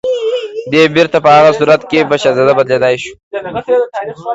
دی بيرته په هغه صورت کې په شهزاده بدليدای شو